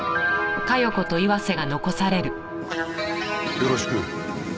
よろしく。